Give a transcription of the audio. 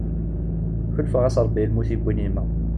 Kulfeɣ-as Rebbi i lmut yuwin yemma.